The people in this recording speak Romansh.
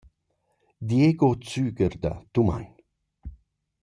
Diego Züger da Tumein.